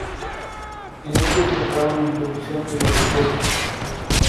En ellas votaron la interrupción de los cursos.